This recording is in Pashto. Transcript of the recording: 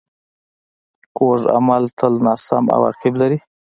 کوږ عمل تل ناسم عواقب لري